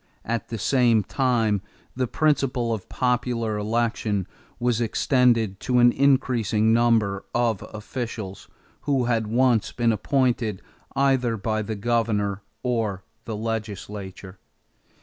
At the same time the principle of popular election was extended to an increasing number of officials who had once been appointed either by the governor or the legislature.